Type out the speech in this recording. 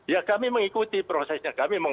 ya kami mengikuti prosesnya